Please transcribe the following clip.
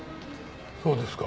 そうですか。